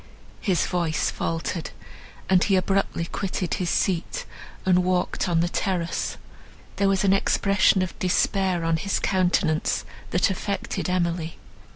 His voice faltered, and he abruptly quitted his seat and walked on the terrace. There was an expression of despair on his countenance, that affected Emily.